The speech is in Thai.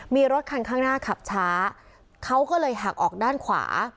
มีรถคันข้างหน้าขับช้าเขาก็เลยหักออกด้านขวา